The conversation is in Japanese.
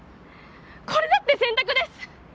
これだって選択です。